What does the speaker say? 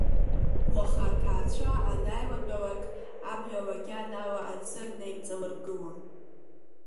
Уаха аҭаацәа анааилатәалак, абҩа лагьан ала аӡы наимҵалыргылон.